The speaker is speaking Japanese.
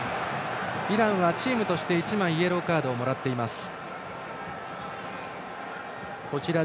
イランはチームとして１枚イエローカードをもらっています。